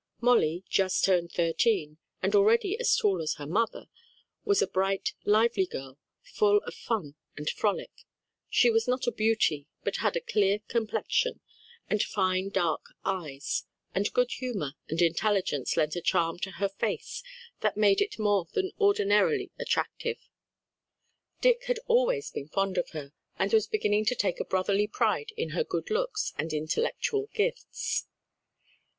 Molly, just turned thirteen, and already as tall as her mother, was a bright, lively girl, full of fun and frolic. She was not a beauty, but had a clear complexion and fine dark eyes, and good humor and intelligence lent a charm to her face that made it more than ordinarily attractive. Dick had always been fond of her, and was beginning to take a brotherly pride in her good looks and intellectual gifts.